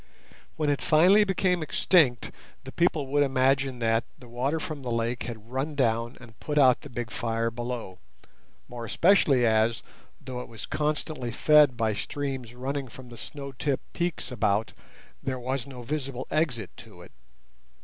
When it finally became extinct the people would imagine that the water from the lake had run down and put out the big fire below, more especially as, though it was constantly fed by streams running from the snow tipped peaks about, there was no visible exit to it.